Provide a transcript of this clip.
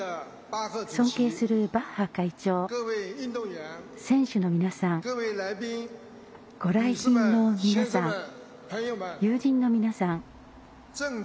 尊敬するバッハ会長選手の皆さんご来賓の皆さん、友人の皆さん。